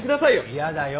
嫌だよ。